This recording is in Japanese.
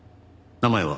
名前は？